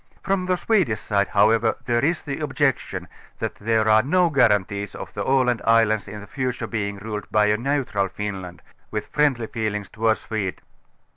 From the Swedish side however there is the objection, that there are no guarantees of the Aland islands in future being ruled by a neutral Finland, with friendlj^ feelings towards Sweden.